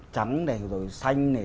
trắng này rồi xanh này